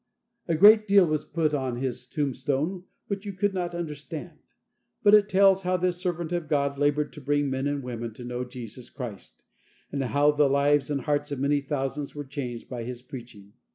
A great deal was put on his tombstone which you could not understand, but it tells how this servant of God laboured to bring men and women to know Jesus Christ, and how the lives and hearts of many thousands were changed by his preaching.